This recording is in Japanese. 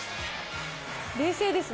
冷静ですね。